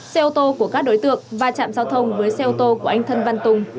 xe ô tô của các đối tượng va chạm giao thông với xe ô tô của anh thân văn tùng